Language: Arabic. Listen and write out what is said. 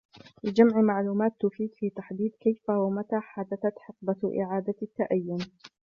لجمع معلومات تفيد في تحديد كيف ومتى حدثت حقبة إعادة التأيّن